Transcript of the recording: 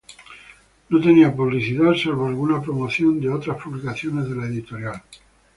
No tenía publicidad salvo alguna promoción de otras publicaciones de la editorial.